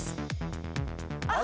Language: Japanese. あ！